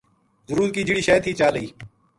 ضرورت کی جہیڑی شے تھی چا لئی